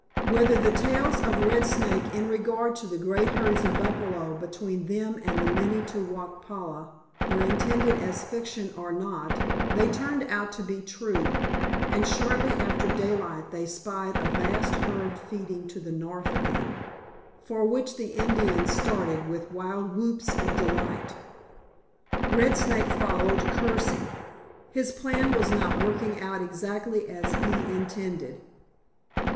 Whether the tales of Red Snake in regard to the great herds of buffalo between them and the Minne to wauk pala were intended as fiction or not they turned out to be true, and shortly after daylight they spied a vast herd feeding to the north of them, for which the Indians started with wild whoops of delight. Red Snake followed, cursing. His plan was not working out exactly as he intended.